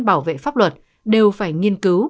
bảo vệ pháp luật đều phải nghiên cứu